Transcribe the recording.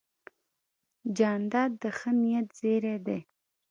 جانداد د ښه نیت زېرى دی.